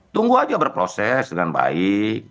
tunggu aja berproses dengan baik